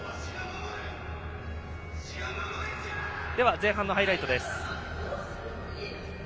前半のハイライトです。